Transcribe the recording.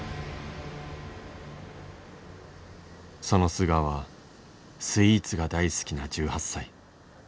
その素顔はスイーツが大好きな１８歳。